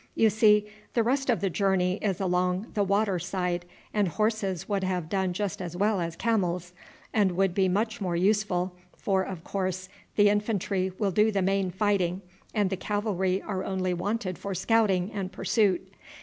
You see, the rest of the journey is along the water side, and horses would have done just as well as camels, and would be much more useful, for, of course, the infantry will do the main fighting, and the cavalry are only wanted for scouting and pursuit.